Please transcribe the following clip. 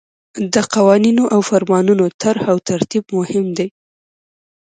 د قوانینو او فرمانونو طرح او ترتیب مهم دي.